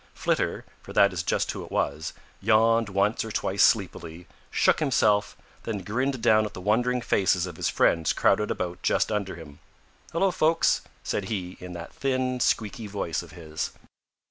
Flitter, for that is just who it was, yawned once or twice sleepily, shook himself, then grinned down at the wondering faces of his friends crowded about just under him. "Hello, folks," said he in that thin, squeaky voice of his.